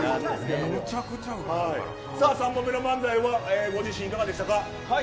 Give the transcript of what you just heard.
３本目の漫才はご自身いかがでしたか。